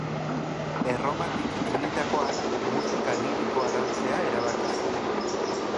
Erromatik itzulitakoan musika lirikoa lantzea erabaki zuen.